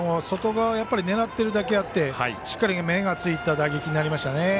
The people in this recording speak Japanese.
外側しっかり狙っているだけあってしっかり面がついた打撃になりましたね。